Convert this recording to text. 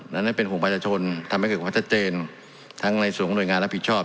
ดังนั้นเป็นภูมิประชาชนทำให้เกิดของประชาชนทั้งในส่วนของหน่วยงานรับผิดชอบ